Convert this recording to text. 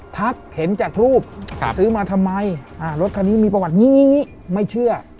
ทักเห็นจากรูปซื้อมาทำไมรถคันนี้มีประวัติอย่างนี้ไม่เชื่อ